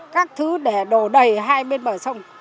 các thứ để đổ đầy hai bên bờ sông